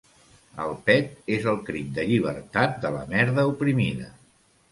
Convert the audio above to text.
El pet és el crit de llibertat de la merda oprimida.